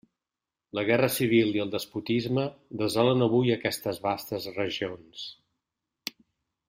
La guerra civil i el despotisme desolen avui aquestes vastes regions.